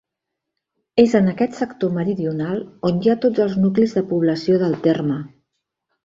És en aquest sector meridional on hi ha tots els nuclis de població del terme.